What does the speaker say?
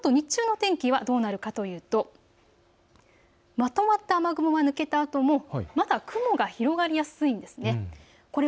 このあと日中の天気はどうなるかというとまとまった雨雲が抜けたあとまだ雲が広がりやすいんです。